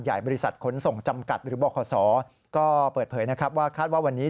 บริษัทขนส่งจำกัดหรือบขก็เปิดเผยนะครับว่าคาดว่าวันนี้